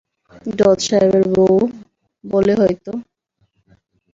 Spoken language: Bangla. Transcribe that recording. জজ সাহেবের বউও বলে হয়তো।